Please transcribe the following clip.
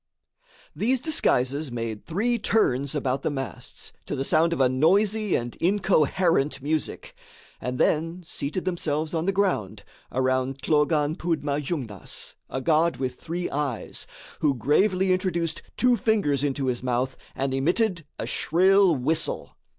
These disguises made three turns about the masts, to the sound of a noisy and incoherent music, and then seated themselves on the ground, around Thlogan Pondma Jungnas, a god with three eyes, who gravely introduced two fingers into his mouth and emitted a shrill whistle.